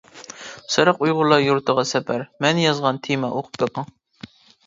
سېرىق ئۇيغۇرلار يۇرتىغا سەپەر مەن يازغان تېما ئوقۇپ بېقىڭ.